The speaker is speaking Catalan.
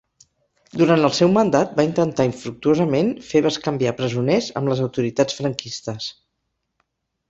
Durant el seu mandat va intentar infructuosament fer bescanviar presoners amb les autoritats franquistes.